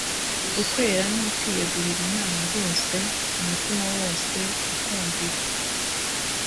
Ukwera ni ukwiyegurira Imana rwose; umutima wose ukumvira,